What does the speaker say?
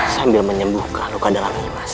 sambil menyembuhkan luka dalam nimas